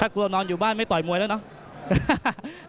กลัวนอนอยู่บ้านไม่ต่อยมวยแล้วเนาะ